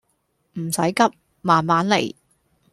唔使急慢慢嚟